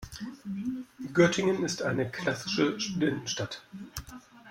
Göttingen ist eine klassische Studentenstadt.